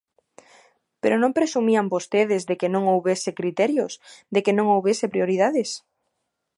¿Pero non presumían vostedes de que non houbese criterios, de que non houbese prioridades?